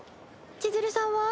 千鶴さんは？